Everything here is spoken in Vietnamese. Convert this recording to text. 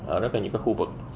ở rất là nhiều cái khu vực